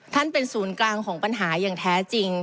เป็นศูนย์กลางของปัญหาอย่างแท้จริง